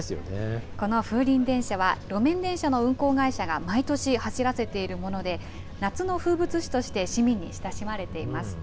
この風鈴電車は路面電車の運行会社が毎年走らせているもので夏の風物詩として市民に親しまれています。